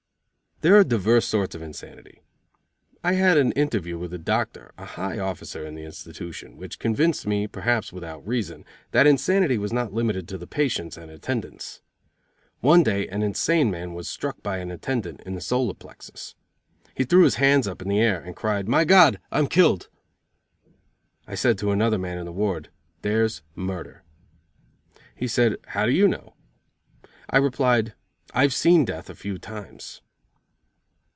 There are divers sorts of insanity. I had an interview with a doctor, a high officer in the institution, which convinced me, perhaps without reason, that insanity was not limited to the patients and attendants. One day an insane man was struck by an attendant in the solar plexus. He threw his hands up in the air, and cried: "My God, I'm killed." I said to another man in the ward: "There's murder." He said: "How do you know?" I replied: "I have seen death a few times."